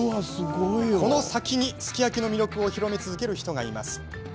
この先に、すき焼きの魅力を広め続ける人がいます。